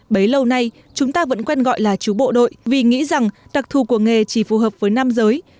bấy lâu nay chúng ta vẫn quen gọi là chú bộ đội vì nghĩ rằng đặc thù của nghề chỉ phù hợp với nam giới